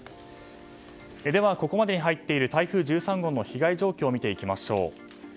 ではここまでに入っている台風１３号の被害状況を見ていきましょう。